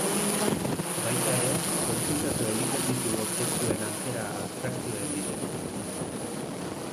Baita ere, kontsultatu egiten ditu objektuen antzera abstrakzioen bidez.